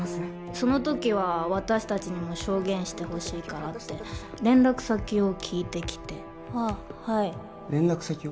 ・そのときは私達にも証言してほしいからって連絡先を聞いてきて連絡先を？